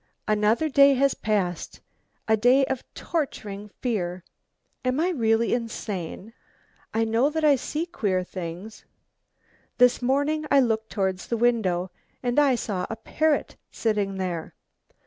"Another day has passed, a day of torturing fear! Am I really insane? I know that I see queer things. This morning I looked towards the window and I saw a parrot sitting there!